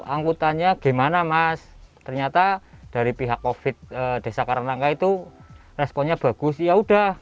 angkutannya gimana mas ternyata dari pihak ofit desa karangangka itu responnya bagus ya udah